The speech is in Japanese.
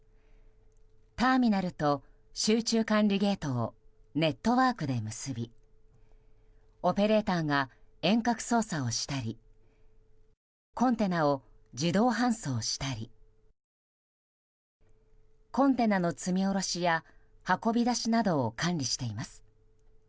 ターミナルと集中管理ゲートをネットワークで結びオペレーターが遠隔操作をしたりコンテナを自動搬送したりコンテナの積み下ろしや運び出しなどを管理しています。